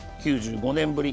９５年ぶり。